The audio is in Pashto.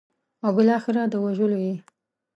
او بالاخره د وژلو یې.